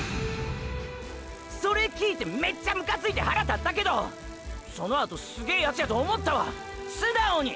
それ聞いてメッチャムカついて腹立ったけどそのあとすげぇヤツやと思ったわ素直に！！